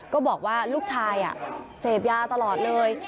ก็บอกว่าลูกชายเสพยาตลอดเลย